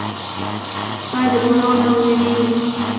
سپي د باران نه وېرېږي.